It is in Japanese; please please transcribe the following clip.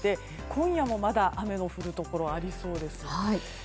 今夜もまだ雨の降るところありそうです。